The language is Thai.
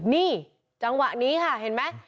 นี่จังหวะนี้ค่ะเห็นไหม